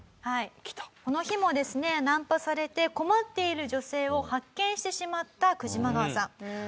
この日もですねナンパされて困っている女性を発見してしまったクジマガワさん。